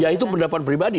ya itu pendapat pribadi